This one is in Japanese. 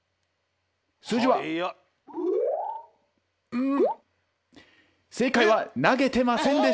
うん正解は投げてませんでした」。